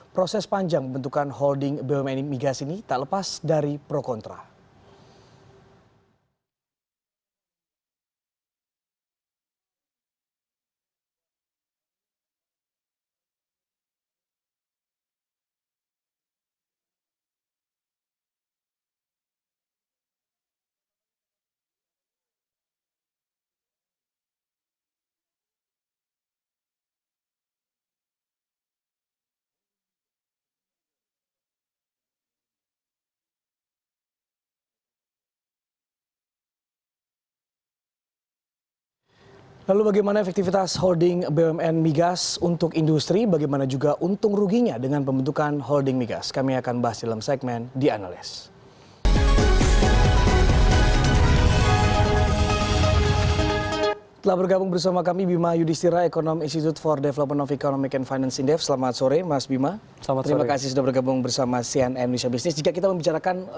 proses panjang membentukan holding bumn migas ini tak lepas dari pro kontra